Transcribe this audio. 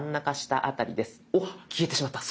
おっ消えてしまった。